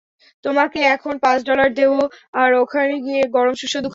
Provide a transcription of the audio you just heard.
তোমাকে এখন পাঁচ ডলার দেবো, আর ওখানে গিয়ে গরম সুস্বাদু খাবার দেব।